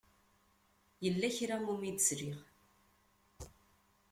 Yella kra i wumi d-sliɣ.